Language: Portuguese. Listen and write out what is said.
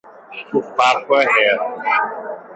O papo é reto.